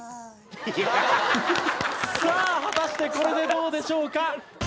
さあ果たしてこれでどうでしょうか？